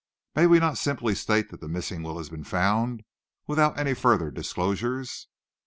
May we not simply state that the missing will has been found, without any further disclosures?"